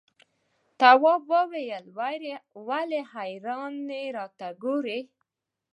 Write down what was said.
تواب وويل: ولې حیرانې راته ګوري؟